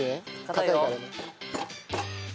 硬いから。